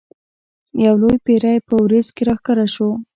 یو لوی پیری په وریځ کې را ښکاره شو.